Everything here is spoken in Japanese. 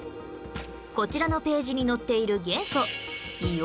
こちらのページに載っている元素硫黄